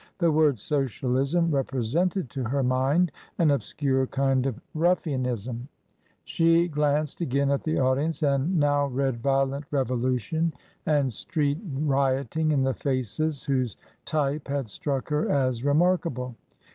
The word " Socialism" represented to her mind an obscure kind of ruffianism. She glanced again at the audience, and now read violent revolution and street rioting in the faces whose type had struck her as remarkable.